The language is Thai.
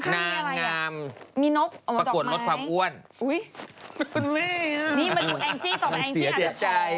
นางงามประกวดรถความอ้วนมีนกออกมาตรอกไหม